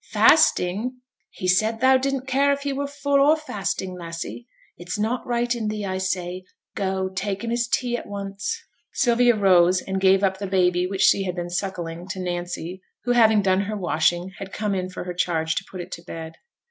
'Fasting? he said thou didn't care if he were full or fasting. Lassie! it's not right in thee, I say; go, take him his tea at once.' Sylvia rose, and gave up the baby, which she had been suckling, to Nancy, who having done her washing, had come for her charge, to put it to bed.